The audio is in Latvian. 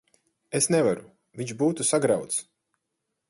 Es nevaru. Viņš būtu sagrauts.